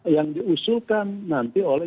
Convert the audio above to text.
yang diusulkan nanti oleh